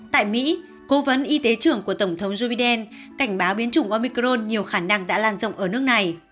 tại mỹ cố vấn y tế trưởng của tổng thống joe biden cảnh báo biến chủng omicron nhiều khả năng đã làn rộng ở nước này